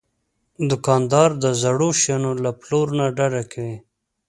دوکاندار د زړو شیانو له پلور نه ډډه کوي.